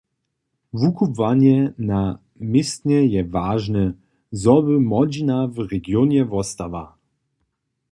Wukubłanje na městnje je wažne, zo by młodźina w regionje wostała.